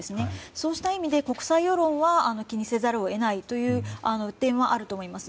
そうした意味で国際世論は気にせざるを得ないという点はあると思います。